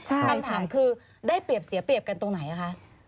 คำถามคือได้เปรียบเสียเปรียบกันตรงไหนคะ